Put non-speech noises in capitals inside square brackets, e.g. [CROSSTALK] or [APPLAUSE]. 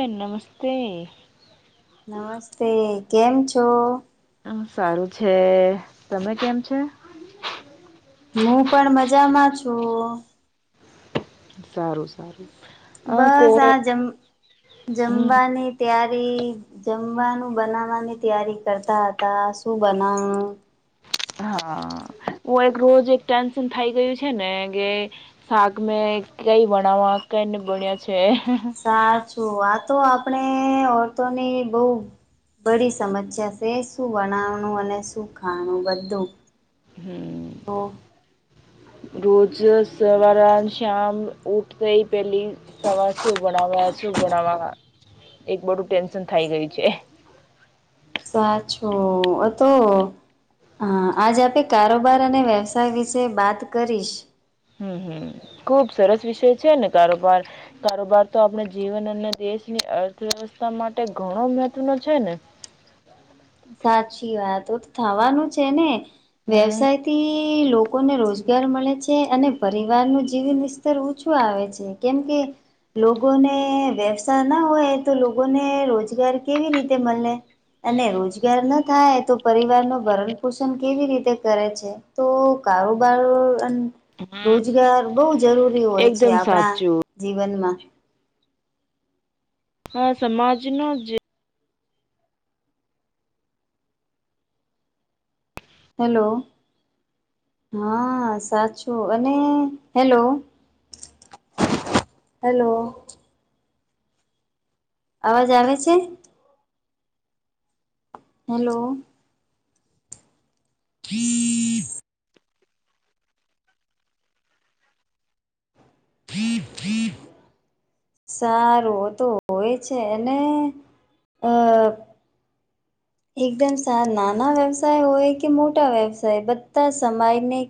એ નમસ્તે. નમસ્તે કેમ છો. સારું છે તમે કેમ છે. હું પણ મજામાં છું. સારું સારું. અ કો બસ આ જમ હમ જમવાની તયારી જમવાનું બનાવવાની તૈયારી કરતા હતા શું બનાવ હા હું એક રોજ એક ટેન્શન થઈ ગયું છે ને કે. શાક મેં કંઈ બણાવવા કંને બણ્યા છે. સાચું આતો આપણે ઓરતોની બહુ. બડી સમસ્યા છે શું બનાવાનું અને શું ખાવાનું બધું. હમ. તો રોજ સવાર શામ ઉઠે ઇ પહેલી સવાર શું બનાવવા શું બનાવવા એક બધું ટેન્શન થઈ ગઇ છે. સાચું અ તો હા આજ આપણે કારોબાર અને વ્યવસાય વિશે બાત કરીશ. હમ હમ ખુબ સરસ વિષય છે ને કારોબાર. કારોબાર તો આપણે જીવન અને દેશની અર્થવ્યવસ્થા માટે ઘણો મહત્વનો છે ને સાચી વાત થવાનું છે ને હમ વ્યવસાય થી. લોકોને રોજગાર મળે છે અને પરિવાર નું જીવન સ્તર ઓછું આવે છે કેમ કે લોકોને વ્યવસાાય ના હોય તો લોકોને રોજગાર કેવી રીતે મળે ત રોજ. થાય તો પરિવાર નું ભરણ પોષણ કેવી રીતે કરે છે તો કારોબાર અને રોજગાર બહુ જરૂરી હોય છે એકદમ આપણા સાચું જીવનમાં હા સમાજનો જે હલો. હા સાચું અને હેલો. હેલો. અવાજ આવે છે હલો હમ ફ્રી ફ્રી સારું તો હોય છે એનૅ અ [INAUDIBLE] એકદમ નાના વ્યવસાય હોય કે મોટા વ્યવસાય બધા સમાજ ને